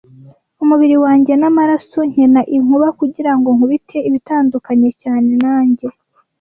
Umubiri wanjye namaraso nkina inkuba kugirango nkubite ibitandukanye cyane nanjye,